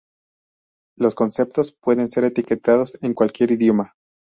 Los conceptos pueden ser etiquetados en cualquier idioma.